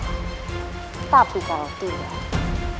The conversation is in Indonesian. aku akan membunuh kalian sampai mati di sini